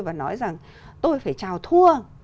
và nói rằng tôi phải chào thua